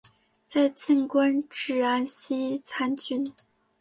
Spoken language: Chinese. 在晋官至安西参军。